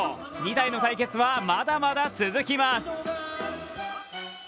２体の対決は、まだまだ続きます。